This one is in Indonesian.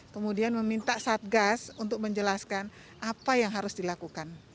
kemudian meminta satgas untuk menjelaskan apa yang harus dilakukan